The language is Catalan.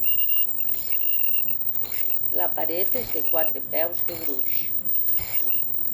La paret és de quatre peus de gruix.